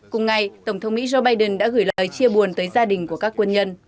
cùng ngày tổng thống mỹ joe biden đã gửi lời chia buồn tới gia đình của các quân nhân